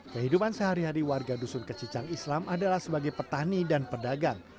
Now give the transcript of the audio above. kehidupan sehari hari warga dusun kecicang islam adalah sebagai petani dan pedagang